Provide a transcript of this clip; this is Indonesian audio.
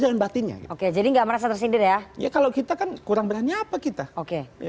daun batinnya oke jadi nggak merasa tersindir ya ya kalau kita kan kurang berani apa kita oke